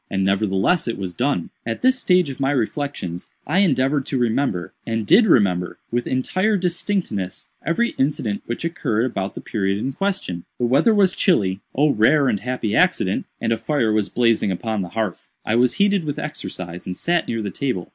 And nevertheless it was done. "At this stage of my reflections I endeavored to remember, and did remember, with entire distinctness, every incident which occurred about the period in question. The weather was chilly (oh rare and happy accident!), and a fire was blazing upon the hearth. I was heated with exercise and sat near the table.